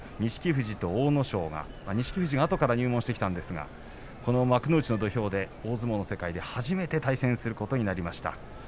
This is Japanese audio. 富士と阿武咲が錦富士が後から入門してきたんですがこの幕内の土俵で大相撲の世界で初めて対戦することになりました。